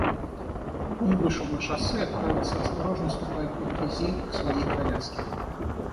Он вышел на шоссе и направился, осторожно ступая по грязи, к своей коляске.